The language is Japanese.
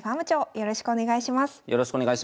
よろしくお願いします。